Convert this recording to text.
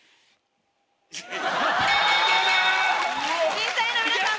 ・審査員の皆さん